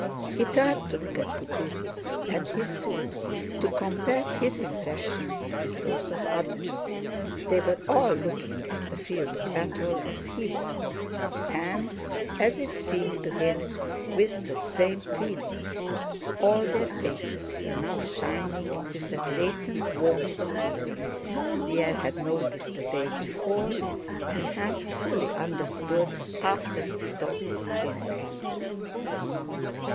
He turned to look at Kutúzov and his suite, to compare his impressions with those of others. They were all looking at the field of battle as he was, and, as it seemed to him, with the same feelings. All their faces were now shining with that latent warmth of feeling Pierre had noticed the day before and had fully understood after his talk with Prince Andrew.